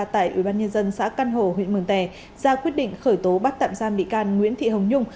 tại ubnd xã căn hồ huyện mường tè ra quyết định khởi tố bắt tạm giam bị can nguyễn thị hồng nhung